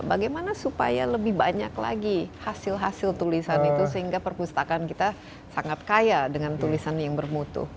bagaimana supaya lebih banyak lagi hasil hasil tulisan itu sehingga perpustakaan kita sangat kaya dengan tulisan yang bermutu